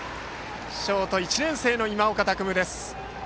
ショート、１年生の今岡拓夢です。